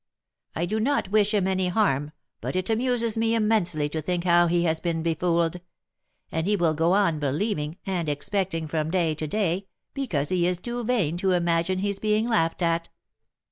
I do not wish him any harm, but it amuses me immensely to think how he has been befooled; and he will go on believing and expecting from day to day, because he is too vain to imagine he is being laughed at.